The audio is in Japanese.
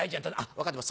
「分かってます